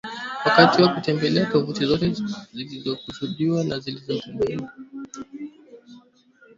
wakati wa kutembelea tovuti zote zilizokusudiwa zilizofunuliwa